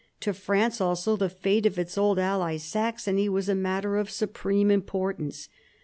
To France also the fate of its old ally Saxony was a matter of supreme importance.